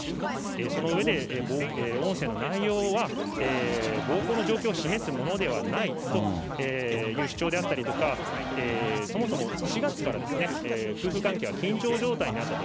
その上で、音声の内容は暴行の状況を示すものではないという主張であったりとか、そもそも４月から夫婦関係は緊張状態にあったと。